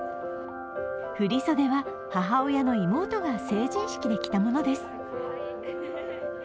振り袖は、母親の妹が成人式で着たものです。